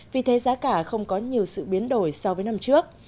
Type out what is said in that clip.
vì thế giá cả không có nhiều sự biến đổi so với năm trước